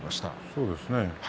そうですね。